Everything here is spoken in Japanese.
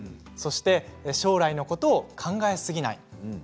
そして将来のことを考えすぎない。